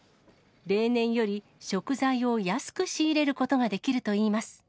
例年より食材を安く仕入れることができるといいます。